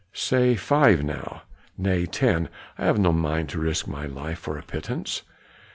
"Say five now!" "Nay, ten; I have no mind to risk my life for a pittance."